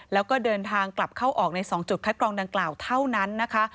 แล้วก็เดินทางกลับเข้าออกใน๒จุดคัดกรองดังกล่าวเท่านั้นนะคะ